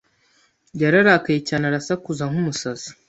yararakaye cyane arasakuza nkumusazi.